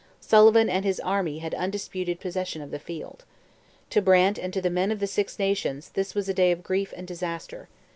Sullivan and his army had undisputed possession of the field. To Brant and to the men of the Six Nations this was a day of grief and disaster.